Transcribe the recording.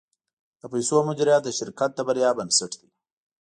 د پیسو مدیریت د شرکت د بریا بنسټ دی.